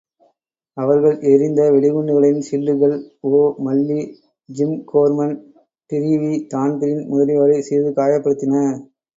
அவர்கள் எறிந்த வெடிகுண்டுகளின் சில்லுகள் ஒ மல்லி, ஜிம் கோர்மன், டிரீவி, தான்பிரீன் முதலியோரைச் சிறிது காயப்படுத்தின.